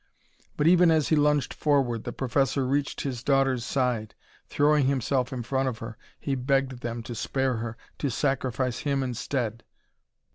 But even as he lunged forward, the professor reached his daughter's side. Throwing himself in front of her, he begged them to spare her, to sacrifice him instead.